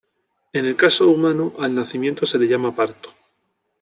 En el caso humano, al nacimiento se le llama parto.